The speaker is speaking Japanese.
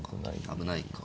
危ないか。